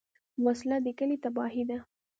وسله د کلي تباهي ده